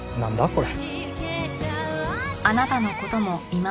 これ。